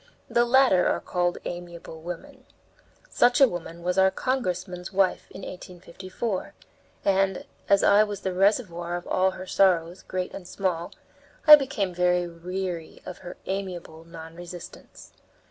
The latter are called amiable women. Such a woman was our congressman's wife in 1854, and, as I was the reservoir of all her sorrows, great and small, I became very weary of her amiable non resistance.